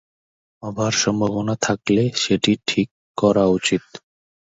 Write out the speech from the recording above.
হবার সম্ভাবনা থাকলে সেটি ঠিক করা উচিত।